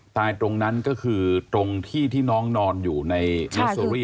ตายตรงนั้นก็คือตรงที่ที่น้องนอนอยู่ในเนสโซรี่แห่งนี้